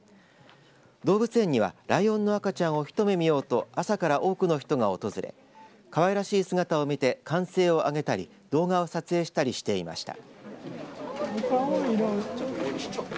動物園にはライオンの赤ちゃんを一目見ようと朝から多くの人が訪れかわいらしい姿を見て歓声を上げたり動画を撮影したりしていました。